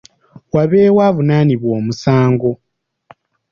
Wabeewo avunaanibwa omusango.